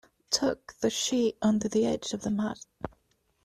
Tuck the sheet under the edge of the mat.